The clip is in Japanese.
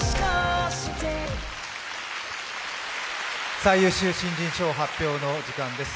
最優秀新人賞発表の時間です。